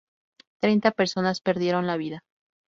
Treinta personas perdieron la vida.